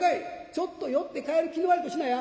ちょっと寄って帰る気の悪いことしなや。